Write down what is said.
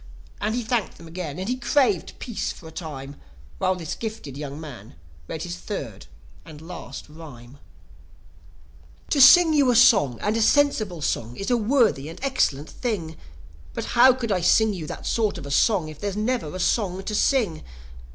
And he thanked them again, and craved peace for a time, While this gifted young man read his third and last rhyme. THE LAST RHYME OF SYM (To sing you a song and a sensible song is a worthy and excellent thing; But how could I sing you that sort of a song, if there's never a song to sing?)